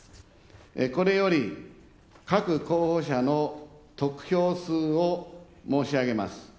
これより、各候補者の得票数を申し上げます。